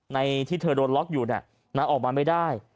ที่เธอโดนล็อกอยู่ออกมาไม่ได้